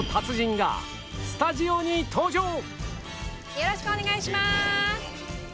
よろしくお願いします！